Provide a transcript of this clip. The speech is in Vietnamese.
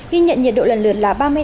ghi nhận nhiệt độ lần lượt là